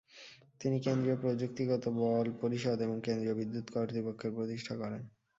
তিনি কেন্দ্রীয় প্রযুক্তিগত বল পরিষদ এবং কেন্দ্রীয় বিদ্যুত কর্তৃপক্ষের প্রতিষ্ঠা করেন।